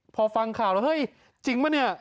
พอฟังข่าวแล้วเฮ้ยจริงป่ะเนี่ย